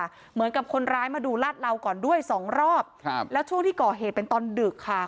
เหมือนกับคนร้ายมาดูลาดเหลาก่อนด้วยสองรอบครับแล้วช่วงที่ก่อเหตุเป็นตอนดึกค่ะ